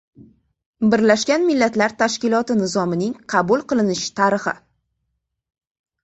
Birlashgan Millatlar Tashkiloti Nizomining qabul qilinishi tarixi